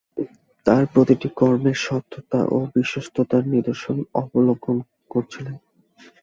তাঁর প্রতিটি কর্মে সততা ও বিশ্বস্ততার নির্দশন অবলোকন করছিলেন।